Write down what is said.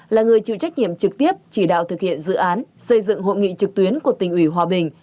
là người chịu trách nhiệm trực tiếp chỉ đạo thực hiện dự án xây dựng hội nghị trực tuyến của tỉnh ủy hòa bình